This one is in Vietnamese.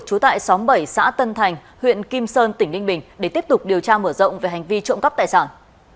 trú tại xóm bảy xã tân thành huyện kim sơn tỉnh ninh bình để tiếp tục điều tra mở rộng về hành vi trộm cắp tài sản